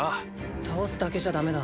倒すだけじゃダメだ。